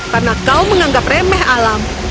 karena kau menganggap remeh alam